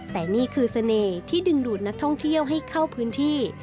แต่นี่คือเสน่ห์ที่ดึงดูดนักท่องเที่ยวให้เข้าพื้นที่